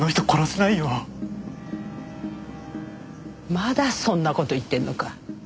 まだそんな事言ってんのか？